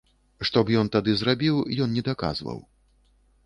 Што б ён тады зрабіў, ён не даказваў.